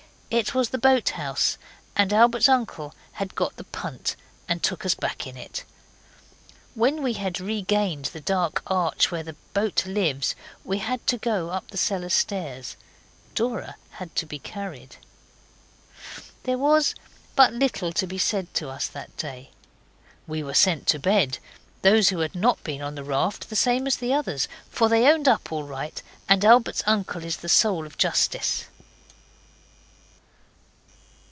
It was the boathouse, and Albert's uncle had got the punt and took us back in it. When we had regained the dark arch where the boat lives we had to go up the cellar stairs. Dora had to be carried. There was but little said to us that day. We were sent to bed those who had not been on the raft the same as the others, for they owned up all right, and Albert's uncle is the soul of justice.